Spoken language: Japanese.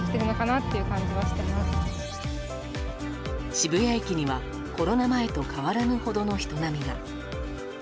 渋谷駅にはコロナ前と変わらぬほどの人波が。